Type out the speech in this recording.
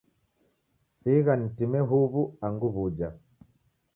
Sigha nitime huw'u angu w'uja.